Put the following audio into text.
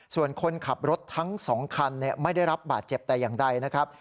ส่วนคนขับรถทั้ง๒คันไม่ได้รับบาดเจ็บแต่อย่างใดนะครับ